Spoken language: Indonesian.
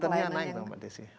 returnnya naik mbak desi